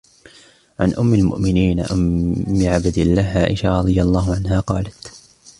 عَنْ أمِّ المُؤمِنينَ أمِّ عبْدِ اللهِ عائشةَ رَضِي اللهُ عَنْهَا قالَتْ: